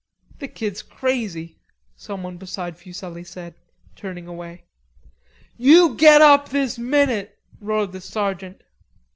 "The kid's crazy," someone beside Fuselli said, turning away. "You get up this minute," roared the sergeant.